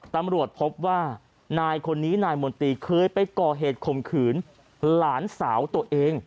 ตำรวจพบว่านายคนนี้นายมนตรีเคยไปก่อเหตุข่มขืนหลานสาวตัวเอง